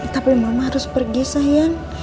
tapi mama harus pergi sayang